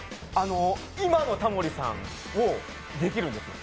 今のタモリさんもできるんですよ。